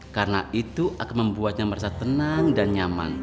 karena itu akan membuatnya merasa tenang dan nyaman